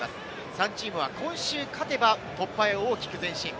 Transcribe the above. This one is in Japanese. ３チームは今週勝てば突破へ大きく前進。